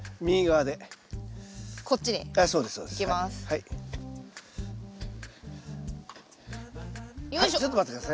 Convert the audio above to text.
はいちょっと待って下さい。